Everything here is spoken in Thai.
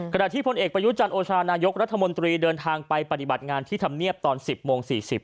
ที่พลเอกประยุจันทร์โอชานายกรัฐมนตรีเดินทางไปปฏิบัติงานที่ธรรมเนียบตอน๑๐โมง๔๐